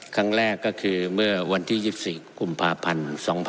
ครั้งแรกก็คือเมื่อวันที่๒๔กุมภาพันธ์๒๕๖๒